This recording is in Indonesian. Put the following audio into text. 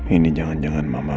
ini jangan jangan mama